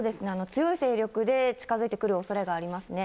強い勢力で近づいてくるおそれがありますね。